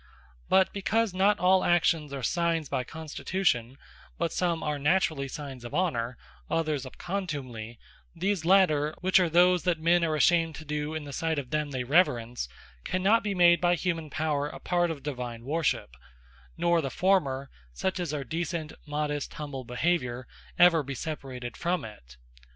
Not All Actions But because not all Actions are signes by Constitution; but some are Naturally signes of Honour, others of Contumely, these later (which are those that men are ashamed to do in the sight of them they reverence) cannot be made by humane power a part of Divine worship; nor the former (such as are decent, modest, humble Behaviour) ever be separated from it.